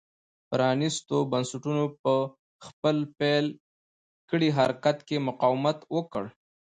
پرانېستو بنسټونو په خپل پیل کړي حرکت کې مقاومت وکړ.